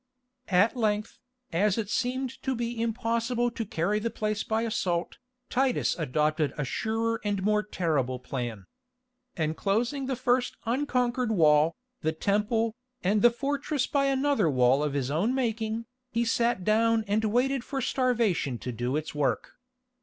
At length, as it seemed to be impossible to carry the place by assault, Titus adopted a surer and more terrible plan. Enclosing the first unconquered wall, the Temple, and the fortress by another wall of his own making, he sat down and waited for starvation to do its work.